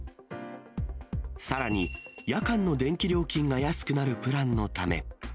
さらに、夜間の電気料金が安くなるプランのため。